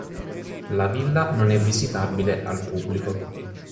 La villa non è visitabile al pubblico.